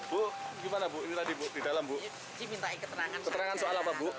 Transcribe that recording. bu gimana bu ini lagi bu